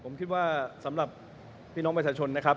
นี่พี่น้องมัชชชนนะครับ